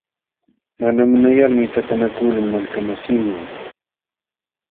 Mana muyalmi takanakuqluu malkamasiiwan.